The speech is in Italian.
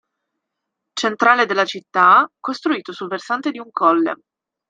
Centrale della città, costruito sul versante di un colle.